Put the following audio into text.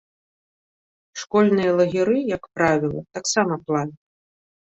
Школьныя лагеры, як правіла, таксама платныя.